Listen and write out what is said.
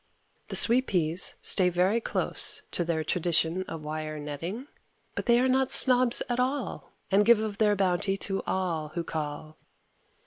The sweet peas stay very close to their tradition of wire netting, but they are not snobs at all, and give of their bounty to all who call.